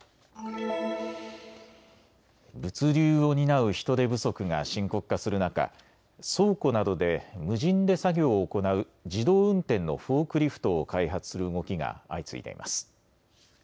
物流を担う人手不足が深刻化する中、倉庫などで無人で作業を行う自動運転のフォークリフトを開発する動きが相次いでいます。